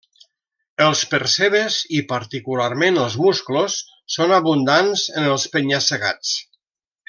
Els percebes i, particularment, els musclos són abundants en els penya-segats.